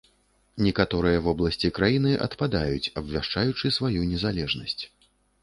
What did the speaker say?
Некаторыя вобласці краіны адпадаюць, абвяшчаючы сваю незалежнасць.